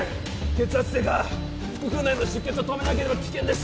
血圧低下腹腔内の出血を止めなければ危険です